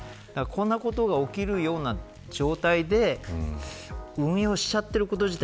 こんなことが起きるような状態で運用してしまっていること自体